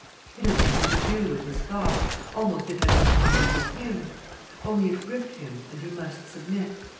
It had nothing to do with his thoughts. Almost it had nothing to do with him. Only it gripped him and he must submit.